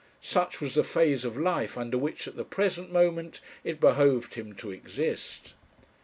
Such was the phase of life under which at the present moment it behoved him to exist.